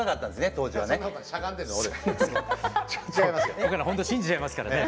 僕らほんとに信じちゃいますからね。